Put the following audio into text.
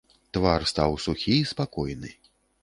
Твар стаў сухі і спакойны.